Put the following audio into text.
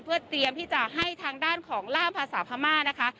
เพื่อเตรียมที่จะให้ทางด้านของล่ามภาษาพม่านะคะ